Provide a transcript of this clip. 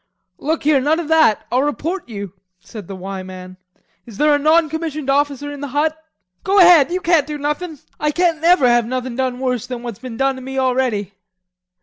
"Look here, none of that, I'll report you," said the "Y" man. "Is there a non commissioned officer in the hut?" "Go ahead, you can't do nothin'. I can't never have nothing done worse than what's been done to me already."